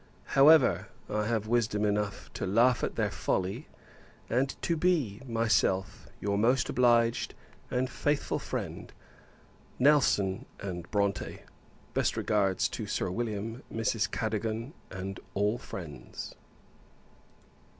However, I have wisdom enough to laugh at their folly; and to be, myself, your most obliged and faithful friend, NELSON & BRONTE. Best regards to Sir William, Mrs. Cadogan, and all friends.